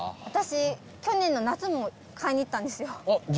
私去年の夏も買いに行ったんですよ。